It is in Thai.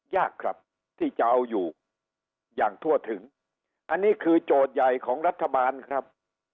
ยากครับที่จะเอาอยู่อย่างทั่วถึงอันนี้คือโจทย์ใหญ่ของรัฐบาลครับ